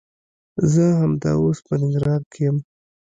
زه همدا اوس په ننګرهار کښي يم.